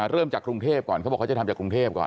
เริ่มจากกรุงเทพก่อนเขาบอกเขาจะทำจากกรุงเทพก่อน